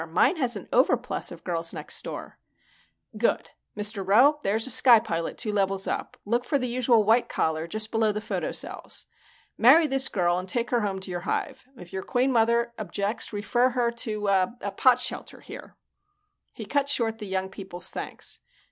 Mine has an over plus of Girls Next Door." "Good. Mr. Rowe, there's a sky pilot two levels up look for the usual white collar just below the photocells. Marry this girl and take her home to your hive. If your Queen Mother objects refer her to er Potshelter here." He cut short the young people's thanks.